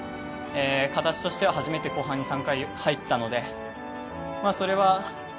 形としては初めて後半に３回入ったので。